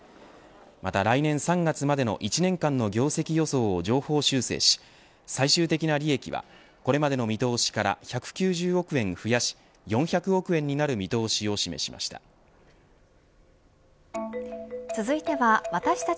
また来年３月までの１年間の業績予想を上方修正し、最終的な利益はこれまでの見通しから１９０億円増やし４００億円になる見通しを示しました。